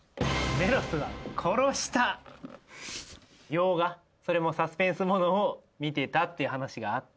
洋画それもサスペンスものを見てたっていう話があったんで。